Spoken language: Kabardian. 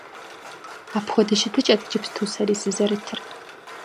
Апхуэдэ щытыкӀэт иджыпсту сэри сызэрытыр.